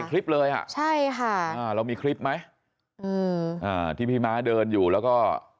คลิปเลยอ่ะใช่ค่ะอ่าเรามีคลิปไหมอืมอ่าที่พี่ม้าเดินอยู่แล้วก็